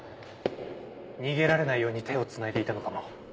逃げられないように手を繋いでいたのかも。